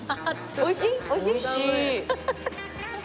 おいしい！